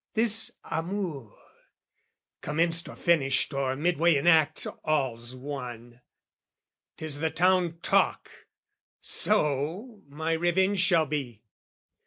This amour, commenced "Or finished or midway in act, all's one, "'Tis the town talk; so my revenge shall be.